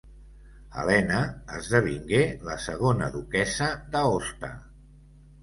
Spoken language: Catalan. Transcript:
Helena esdevingué la segona duquessa d'Aosta.